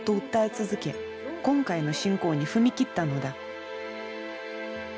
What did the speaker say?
今回の侵攻に踏み切ったのだ。